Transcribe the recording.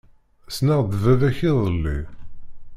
Ssneɣ-d baba-k iḍelli.